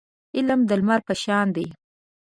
علم د لمر په شان دی.